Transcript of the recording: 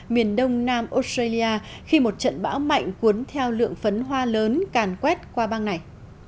miền đông nam australia khi một trận bão mạnh cuốn theo lượng phấn hoa lớn càn quét qua bang này